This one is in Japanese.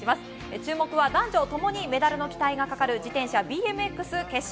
注目は男女共にメダルの期待がかかる自転車ＢＭＸ決勝。